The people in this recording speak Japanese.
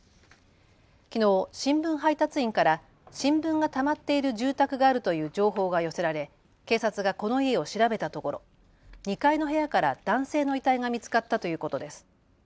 きのう新聞配達員から新聞がたまっている住宅があるという情報が寄せられ警察がこの家を調べたところ２階の部屋から男性の遺体が見つかったということです。